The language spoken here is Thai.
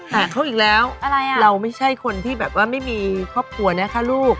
หากเขาอีกแล้วเราไม่ใช่คนที่แบบว่าไม่มีครอบครัวนะคะลูก